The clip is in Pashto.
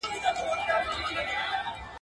غل د پیشي درب څخه ھم بېرېږي ..